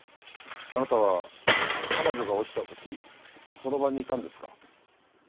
あなたは彼女が落ちた時その場にいたんですか？